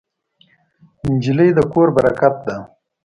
نجلۍ د کور برکت ده.